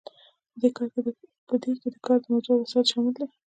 په دې کې د کار موضوع او وسایل شامل دي.